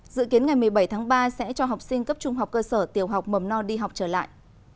dự kiến ngày một mươi bảy tháng ba sẽ cho học sinh cấp trung học cơ sở tiểu học mầm no đi học trở lại